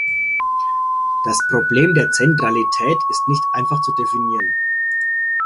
Das Problem der Zentralität ist nicht einfach zu definieren.